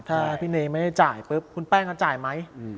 ถ้าพี่เนยไม่ได้จ่ายปุ๊บคุณแป้งเขาจ่ายไหม